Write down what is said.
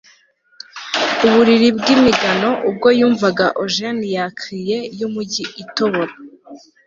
uburiri bw'imigano ubwo yumvaga ogene ya crier yumujyi itobora